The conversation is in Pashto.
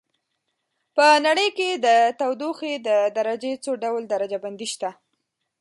په نړۍ کې د تودوخې د درجې څو ډول درجه بندي شته.